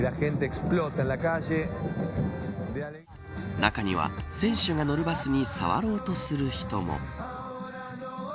中には、選手が乗るバスに触ろうとする人も。